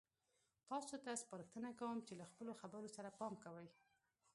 تاسو ته سپارښتنه کوم چې له خپلو خبرو سره پام کوئ.